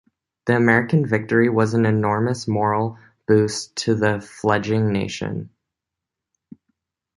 The American victory was an enormous morale boost to the fledgling nation.